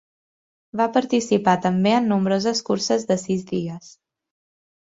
Va participar també en nombroses curses de sis dies.